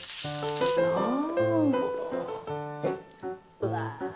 うわ！